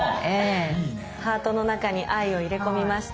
ハートの中に「Ｉ」を入れ込みました。